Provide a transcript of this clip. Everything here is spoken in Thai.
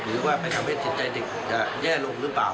หรือว่าไปทำให้สินใจด็กแย่ลงรึเปล่า